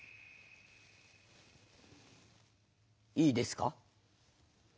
いいですか？